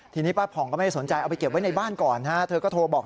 ทีนี้ป้าผ่องก็ไม่ได้สนใจเอาไปเก็บไว้ในบ้านก่อนฮะเธอก็โทรบอก